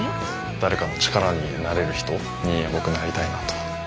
誰かの力になれる人に僕なりたいなと。